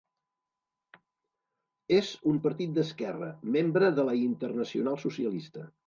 És un partit d'esquerra, membre de la Internacional socialista.